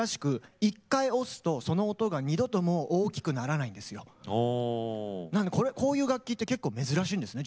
なんでこういう楽器って結構珍しいんですね